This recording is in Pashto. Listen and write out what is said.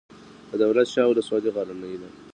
د دولت شاه ولسوالۍ غرنۍ ده